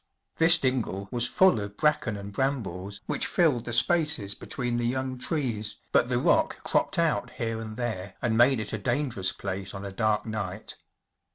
This dingle was full of bracken and brambles which filled the spaces between the young trees, hut the rock cropped out here and there and made it a dangerous place on a dark night.